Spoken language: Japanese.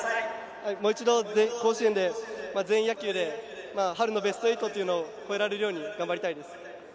もう一度甲子園で全員野球で春のベスト８を超えられるように頑張りたいです。